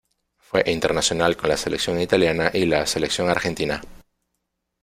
Fue internacional con la selección italiana y la selección argentina.